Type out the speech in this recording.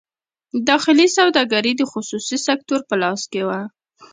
داخلي سوداګري د خصوصي سکتور په لاس کې وه.